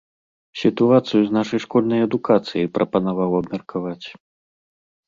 Сітуацыю з нашай школьнай адукацыяй прапанаваў абмеркаваць.